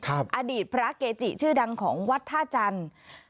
อดีตพระเกจิชื่อดังของวัดท่าจันทร์